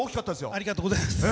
ありがとうございます。